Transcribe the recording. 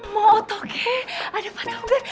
mau otoke ada patogar